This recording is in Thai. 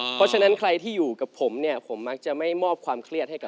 เพราะฉะนั้นใครที่อยู่กับผมเนี่ยผมมักจะไม่มอบความเครียดให้กับ